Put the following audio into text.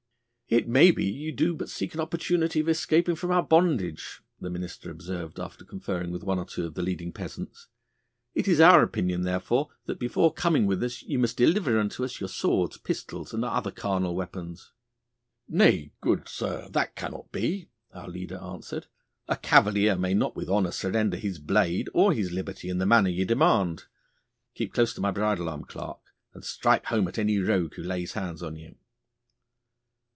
'It may be that ye do but seek an opportunity of escaping from our bondage,' the minister observed, after conferring with one or two of the leading peasants. 'It is our opinion, therefore, that before coming with us ye must deliver unto us your swords, pistols, and other carnal weapons.' 'Nay, good sir, that cannot be,' our leader answered. 'A cavalier may not with honour surrender his blade or his liberty in the manner ye demand. Keep close to my bridle arm, Clarke, and strike home at any rogue who lays hands on you.